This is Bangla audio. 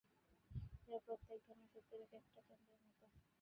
এরা প্রত্যেকে ধর্ম-শক্তির এক একটা কেন্দ্রের মত।